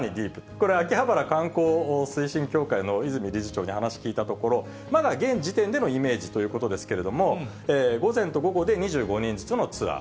これ、秋葉原観光推進協会の泉理事長にお話聞いたところ、まだ現時点でのイメージということですけれども、午前と午後で２５人ずつのツアー。